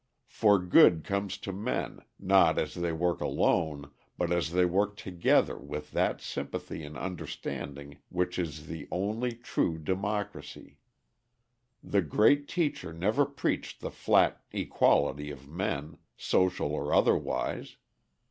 For good comes to men, not as they work alone, but as they work together with that sympathy and understanding which is the only true Democracy. The Great Teacher never preached the flat equality of men, social or otherwise.